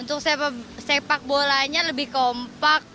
untuk sepak bolanya lebih kompak